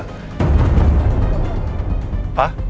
hanya ada yang bisa dikira